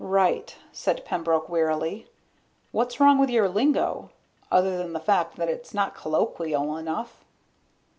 "Right," said Pembroke wearily. "What's wrong with your lingo? Other than the fact that it's not colloquial enough."